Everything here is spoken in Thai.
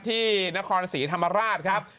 ที่นครศรีธรรมราชครับ